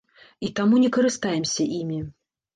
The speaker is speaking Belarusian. І таму не карыстаемся імі.